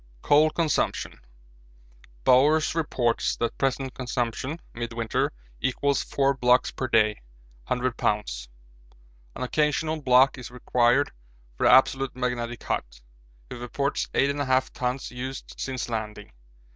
Coal Consumption Bowers reports that present consumption (midwinter) = 4 blocks per day (100 lbs.). An occasional block is required for the absolute magnetic hut. He reports 8 1/2 tons used since landing.